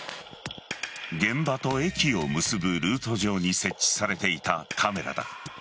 現場と駅を結ぶルート上に設置されていたカメラだ。